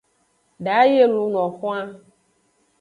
Da yi e luno xwan.